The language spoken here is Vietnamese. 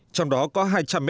trong đó có hai trăm linh m hai